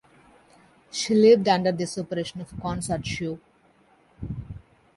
She lived under the supervision of Consort Shu.